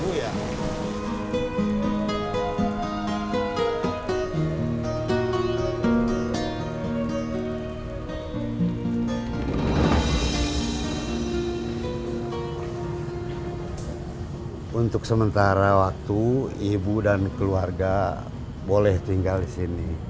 untuk sementara waktu ibu dan keluarga boleh tinggal di sini